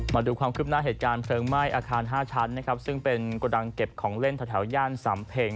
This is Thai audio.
มาดูความคืบหน้าเหตุการณ์เพลิงไหม้อาคาร๕ชั้นนะครับซึ่งเป็นกระดังเก็บของเล่นแถวย่านสำเพ็ง